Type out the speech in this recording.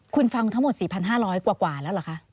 คุณฟังทั้งหมด๔๕๐๐กว่าแล้วเหรอคะ